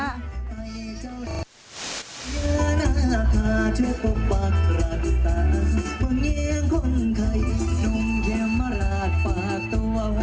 เห็นจังหวะแบบบาซาโลฟนะ